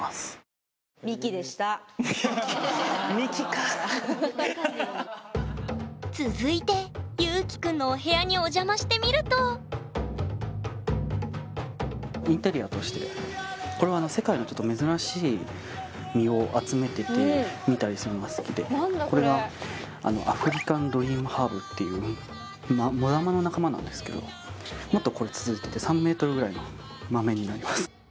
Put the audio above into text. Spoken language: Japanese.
この続いてＹｕｋｉくんのお部屋にお邪魔してみるとインテリアとしてこれは見たりするのが好きでこれはアフリカンドリームハーブっていうモダマの仲間なんですけどもっとこれ続いてて３ｍぐらいの豆になります。